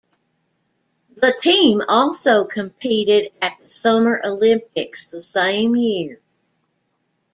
The team also competed at the Summer Olympics the same year.